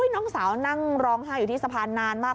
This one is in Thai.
น้องสาวนั่งร้องไห้อยู่ที่สะพานนานมาก